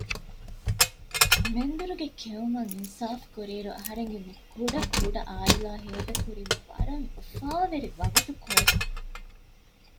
މެންދުރުގެ ކެއުމަށް އިންސާފުކުރިއިރު އަހަރެންގެ މި ކުޑަކުޑަ އާއިލާ ހޭދަކުރީ ވަރަށް އުފާވެރި ވަގުތުކޮޅެއް